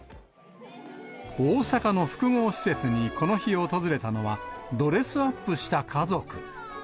大阪の複合施設に、この日、訪れたのは、ドレスアップした家族。